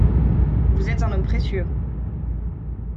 Vous êtes un homme précieux.